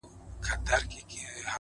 وينه د وجود مي ده ژوندی يم پرې!